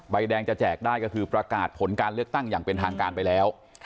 แดงจะแจกได้ก็คือประกาศผลการเลือกตั้งอย่างเป็นทางการไปแล้ว